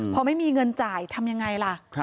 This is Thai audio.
พอไม่มีเงินจ่ายทำยังไงล่ะ